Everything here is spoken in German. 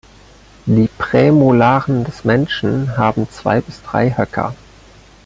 Die Prämolaren des Menschen haben zwei bis drei Höcker.